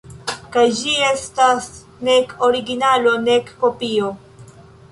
Kaj ĝi estas nek originalo, nek kopio.